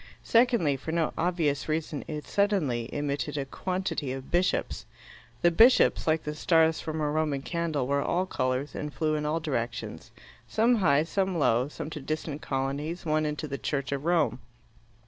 Secondly, for no obvious reason, it suddenly emitted a quantity of bishops. The bishops, like the stars from a Roman candle, were all colours, and flew in all directions, some high, some low, some to distant colonies, one into the Church of Rome.